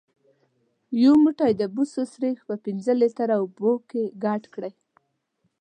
یو موټی د بوسو سريښ په پنځه لیتره اوبو کې ګډ کړئ.